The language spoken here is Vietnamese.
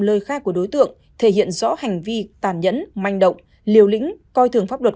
lời khai của đối tượng thể hiện rõ hành vi tàn nhẫn manh động liều lĩnh coi thường pháp luật